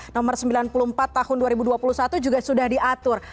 nomor sembilan puluh empat tahun dua ribu dua puluh satu juga sudah diatur